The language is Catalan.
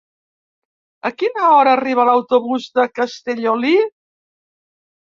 A quina hora arriba l'autobús de Castellolí?